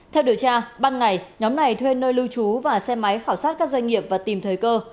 theo điều tra ban ngày nhóm này thuê nơi lưu trú và xe máy khảo sát các doanh nghiệp và tìm thời cơ